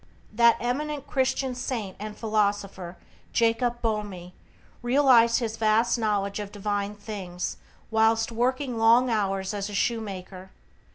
That eminent Christian saint and philosopher, Jacob Boehme, realized his vast knowledge of divine things whilst working long hours as a shoemaker.